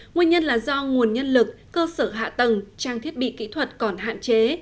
nguyên nhân là do nguồn nhân lực cơ sở hạ tầng trang thiết bị kỹ thuật còn hạn chế